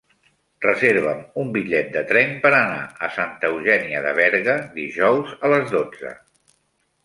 Reserva'm un bitllet de tren per anar a Santa Eugènia de Berga dijous a les dotze.